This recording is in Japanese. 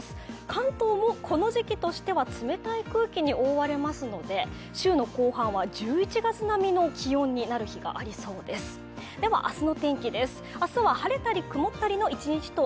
関東もこの時期としては冷たい空気に覆われますので、週の後半は１１月並みの気温になる日が多そうです。